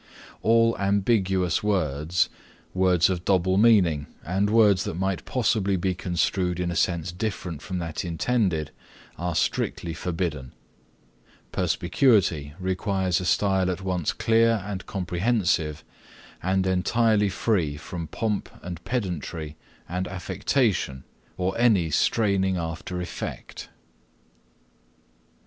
All ambiguous words, words of double meaning and words that might possibly be construed in a sense different from that intended, are strictly forbidden. Perspicuity requires a style at once clear and comprehensive and entirely free from pomp and pedantry and affectation or any straining after effect.